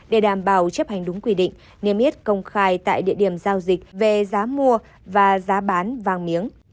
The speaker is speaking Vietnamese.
để đảm bảo chấp hành đúng quy định niêm yết công khai tại địa điểm giao dịch về giá mua và giá bán vàng miếng